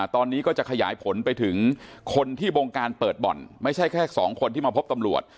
ตอนนี้ก็จะขยายผลไปถึงคนที่บงการเปิดบ่อนไม่ใช่แค่สองคนที่มาพบตำรวจ